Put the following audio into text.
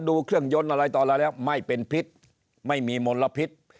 เครื่องยนต์อะไรต่ออะไรแล้วไม่เป็นพิษไม่มีมลพิษ